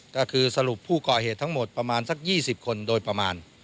ก็คือสรุปผู้ก่อเหตุทั้งหมดประมาณสัก๒๐คนโดยประมาณ